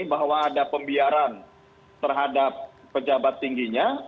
bahwa ada pembiaran terhadap pejabat tingginya